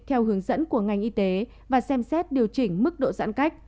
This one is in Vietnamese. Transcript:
theo hướng dẫn của ngành y tế và xem xét điều chỉnh mức độ giãn cách